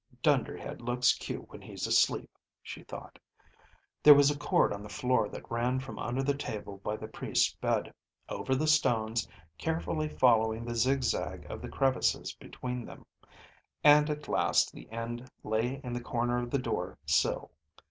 Dunderhead looks cute when he's asleep, she thought. There was a cord on the floor that ran from under the table by the priest's bed, over the stones, carefully following the zigzag of the crevices between them, and at last the end lay in the corner of the door sill.